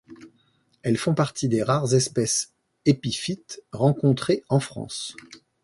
Elles font partie des rares espèces épiphytes rencontrées en France.